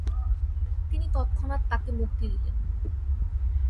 তিনি তৎক্ষণাৎ তাকে মুক্তি দিলেন।